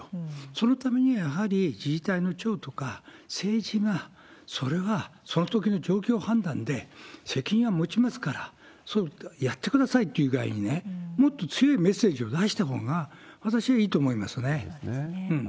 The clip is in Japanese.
そのためにはやはり、自治体の長とか、政治が、それはそのときの状況判断で責任は持ちますからそれをやってくださいっていう具合にね、もっと強いメッセージを出したほうが、私そうですね。